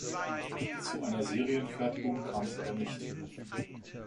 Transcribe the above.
Zu einer Serienfertigung kam es aber nicht.